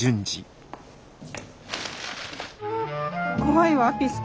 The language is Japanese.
怖いわピス健。